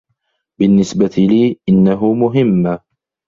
بالنسبة لي، إنه مهم.